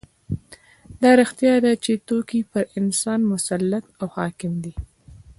دا رښتیا ده چې توکي پر انسان مسلط او حاکم دي